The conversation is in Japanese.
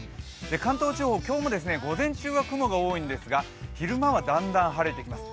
関東地方、今日も午前中は雲が多いんですが、昼間はだんだん晴れてきます。